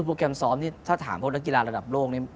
แกรมซ้อมนี่ถ้าถามพวกนักกีฬาระดับโลกนี้